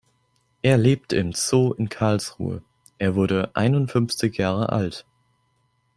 Er lebte im Zoo in Karlsruhe, er wurde einundfünfzig Jahre alt.